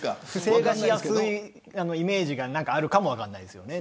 分かりやすいイメージがあるかも分からないですね